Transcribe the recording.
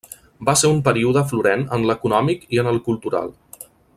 Va ser un període florent en l'econòmic i en el cultural.